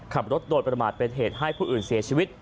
ขับรถโดยประมาทเป็นเหตุให้ผู้อื่นเสียชีวิต